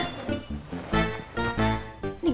gak usah engga